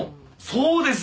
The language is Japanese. そうですよ！